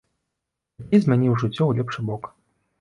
Хакей змяніў жыццё ў лепшы бок.